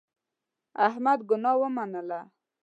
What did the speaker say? احمد ګناه ومنله.